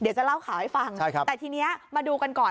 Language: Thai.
จะเล่าข่าวให้ฟังใช่ครับแต่ทีเนี้ยมาดูกันก่อน